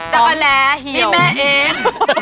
จั๊กแวมันนี่แม่เอ็ง